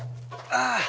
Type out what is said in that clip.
ああ。